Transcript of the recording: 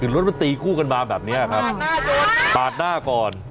รถมันตีคู่กันมาแบบนี้ครับปาดหน้าก่อน